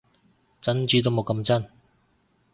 珍珠都冇咁真